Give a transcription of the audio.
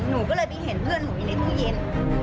หนูก็เลยไปเห็นเพื่อนหนูอยู่ในห้องเย็น